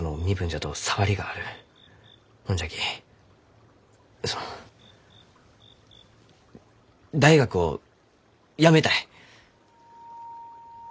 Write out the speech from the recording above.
ほんじゃきその大学を辞めたい。